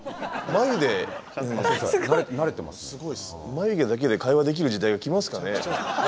眉毛だけで会話できる時代が来ますかね。